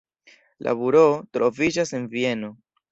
La buroo troviĝas en Vieno.